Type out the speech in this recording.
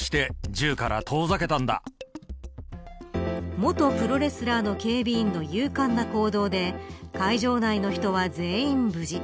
元プロレスラーの警備員の勇敢な行動で会場内の人は全員無事。